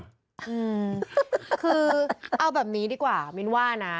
อืมคือเอาแบบนี้ดีกว่ามิ้นว่านะ